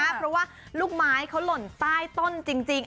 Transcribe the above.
เพราะว่าลูกไม้เขาหล่นใต้ต้นจริง